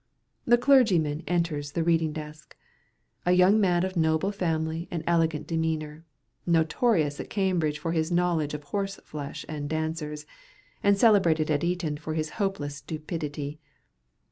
The clergyman enters the reading desk,—a young man of noble family and elegant demeanour, notorious at Cambridge for his knowledge of horse flesh and dancers, and celebrated at Eton for his hopeless stupidity.